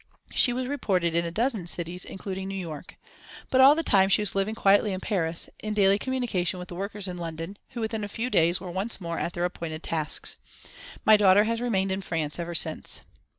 She was reported in a dozen cities, including New York. But all the time she was living quietly in Paris, in daily communication with the workers in London, who within a few days were once more at their appointed tasks. My daughter has remained in France ever since.